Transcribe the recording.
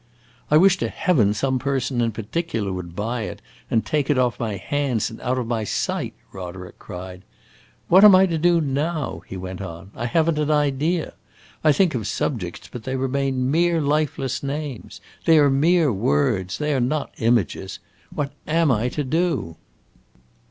"I wish to heaven some person in particular would buy it, and take it off my hands and out of my sight!" Roderick cried. "What am I to do now?" he went on. "I have n't an idea. I think of subjects, but they remain mere lifeless names. They are mere words they are not images. What am I to do?"